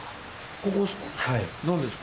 ここっすか？